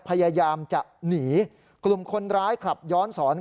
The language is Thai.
พยายามจะหนีกลุ่มคนร้ายขับย้อนสอน